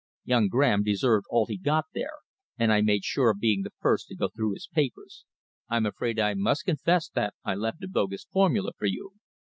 Young Graham deserved all he got there, and I made sure of being the first to go through his papers. I'm afraid I must confess that I left a bogus formula for you."